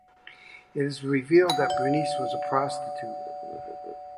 It is revealed that Bernice was a prostitute.